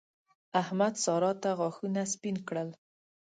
احمد؛ سارا ته غاښونه سپين کړل.